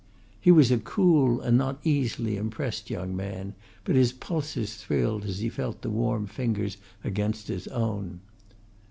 He was a cool and not easily impressed young man, but his pulses thrilled as he felt the warm fingers against his own.